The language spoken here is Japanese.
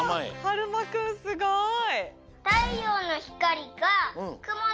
はるまくんすごい！